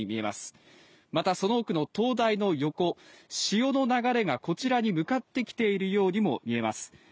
またその奥の灯台の横、潮の流れがこちらに向かってきているようにも見えます。